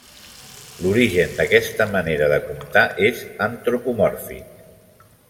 L'origen d'aquesta manera de comptar és antropomòrfic.